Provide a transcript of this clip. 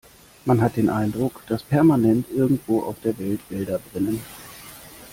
Man hat den Eindruck, dass permanent irgendwo auf der Welt Wälder brennen.